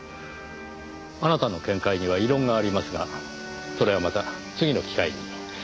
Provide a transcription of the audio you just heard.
あなたの見解には異論がありますがそれはまた次の機会に。